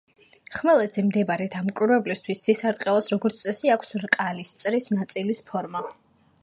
ხმელეთზე მდებარე დამკვირვებლისთვის ცისარტყელას, როგორც წესი, აქვს რკალის, წრის ნაწილის, ფორმა.